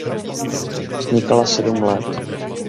Vznikala sedm let.